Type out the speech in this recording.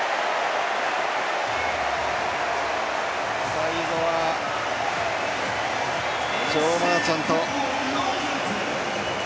最後はジョー・マーチャント。